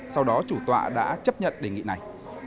sau đó chủ tọa đã chấp nhận đề nghị này